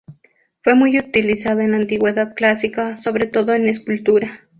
Fue muy utilizado en la Antigüedad clásica sobre todo en escultura.